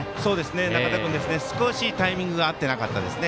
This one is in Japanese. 仲田君、少しタイミングが合ってなかったですね。